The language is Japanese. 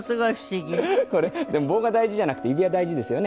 でも棒が大事じゃなくて指輪大事ですよね？